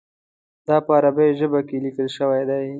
دا په عربي ژبه لیکل شوی دی.